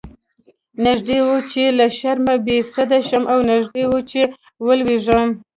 نږدې و چې له شرمه بې سده شم او نږدې و چې ولويږم.